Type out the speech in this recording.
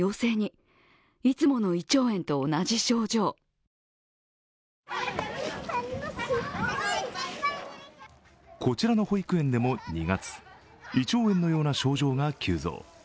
ＳＮＳ上にもこちらの保育園でも２月、胃腸炎のような症状が急増。